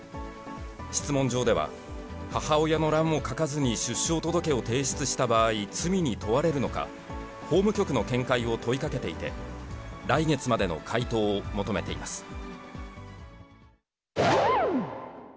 質問状では、母親の欄を書かずに出生届を提出した場合、罪に問われるのか、法務局の見解を問いかけていて、来月までの回答を求めています。